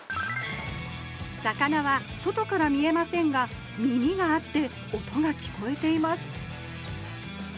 魚は外から見えませんが耳があって音が聞こえています